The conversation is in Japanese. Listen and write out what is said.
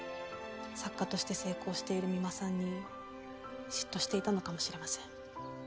作家として成功している三馬さんに嫉妬していたのかもしれません。